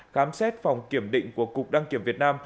khám xét phòng kiểm định của cục đăng kiểm việt nam